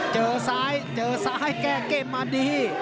เจอซ้ายให้แก้เกมมาดี